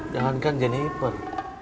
jangan kan jennifer